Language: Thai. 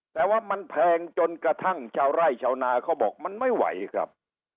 แต่ว่ามันแพงจนกระทั่งชาวไร่ชาวนาเขาบอกมันไม่ไหวครับ